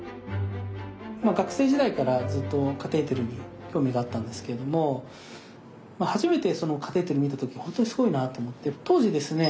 学生時代からずっとカテーテルに興味があったんですけれども初めてそのカテーテルを見た時本当にすごいなと思って当時ですね